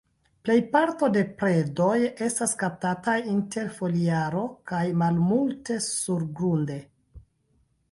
Plejparto de predoj estas kaptataj inter foliaro, kaj malmulte surgrunde.